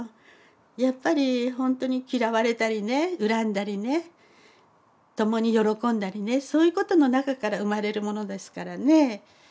やっぱりほんとに嫌われたりね恨んだりね共に喜んだりねそういうことの中から生まれるものですからね。